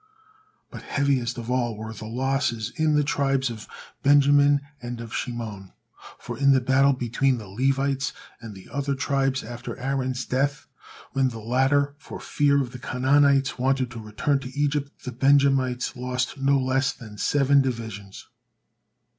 But heaviest of all were the losses in the tribes of Benjamin and of Simeon, for in the battle between the Levites and the other tribes after Aaron's death, when the latter, for fear of the Canaanites, wanted to return to Egypt, the Benjamites lost no less than seven divisions.